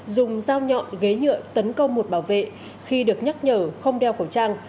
dùng dao nhọn ghế nhựa tấn công một bảo vệ khi được nhắc nhở không đeo khẩu trang